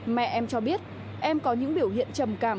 mẹ em cho biết em có những biểu hiện trầm cảm